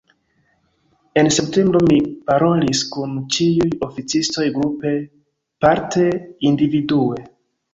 En septembro mi parolis kun ĉiuj oficistoj grupe, parte individue.